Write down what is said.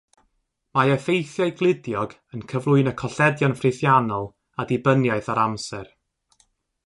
Mae effeithiau gludiog yn cyflwyno colledion ffrithiannol a dibyniaeth ar amser.